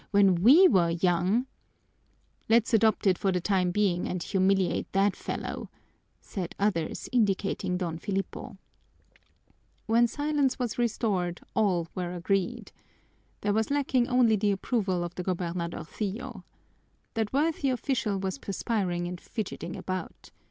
When we were young " "Let's adopt it for the time being and humiliate that fellow," said others, indicating Don Filipo. When silence was restored all were agreed. There was lacking only the approval of the gobernadorcillo. That worthy official was perspiring and fidgeting about.